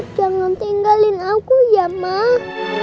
jangan tinggalin aku ya mak